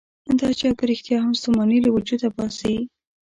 دا چای په رښتیا هم ستوماني له وجوده وباسي.